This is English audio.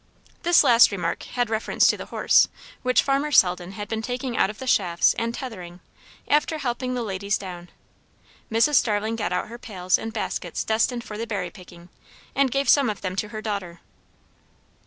This last remark had reference to the horse, which farmer Selden had been taking out of the shafts and tethering, after helping the ladies down. Mrs. Starling got out her pails and baskets destined for the berry picking, and gave some of them to her daughter.